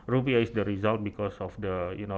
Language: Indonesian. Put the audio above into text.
rupiah adalah hasilnya karena